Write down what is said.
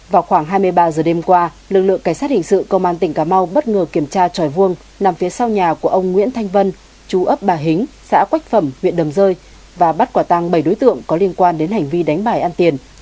vào khoảng hai mươi ba giờ đêm qua lực lượng cảnh sát hình sự công an tỉnh cà mau bất ngờ kiểm tra tròi vuông nằm phía sau nhà của ông nguyễn thanh vân chú ấp bà hính xã quách phẩm huyện đầm rơi và bắt quả tăng bảy đối tượng có liên quan đến hành vi đánh bài ăn tiền